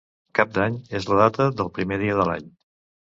Cap d'Any és la data del primer dia de l'any.